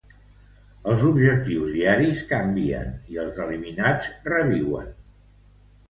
Els objectius diaris canvien i els eliminats reviuen